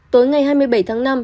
tối ngày hai mươi bảy tháng năm